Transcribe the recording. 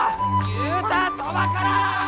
言うたそばから！